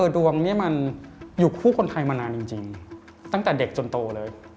ดวงนี้มันอยู่คู่คนไทยมานานจริงตั้งแต่เด็กจนโตเลย